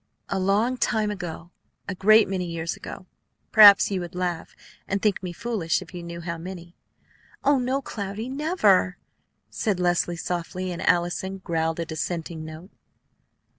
"A long time ago a great many years ago perhaps you would laugh and think me foolish if you knew how many " "Oh, no, Cloudy, never!" said Leslie softly; and Allison growled a dissenting note.